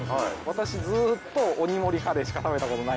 私ずっと鬼盛りカレーしか食べた事ない。